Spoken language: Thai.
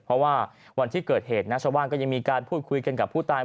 เพราะว่าวันที่เกิดเหตุนะชาวบ้านก็ยังมีการพูดคุยกันกับผู้ตาย